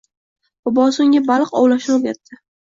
Bobosi unga baliq ov-lashni o‘rgatdi